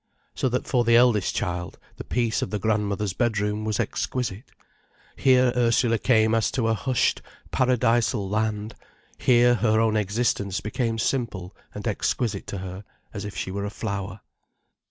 So that for the eldest child, the peace of the grandmother's bedroom was exquisite. Here Ursula came as to a hushed, paradisal land, here her own existence became simple and exquisite to her as if she were a flower.